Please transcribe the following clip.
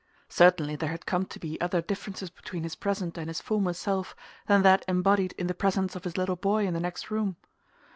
Certainly there had come to be other differences between his present and his former self than that embodied in the presence of his little boy in the next room.